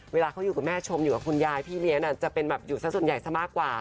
เวลาเขาอยู่กับแม่ชมอยู่กับคุณยายพี่เลี้ยงจะเป็นแบบอยู่สักส่วนใหญ่ซะมากกว่า